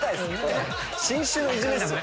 新種のいじめっすよ。